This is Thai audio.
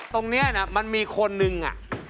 ตรงเนี่ยนะมันมีคนหนึ่ง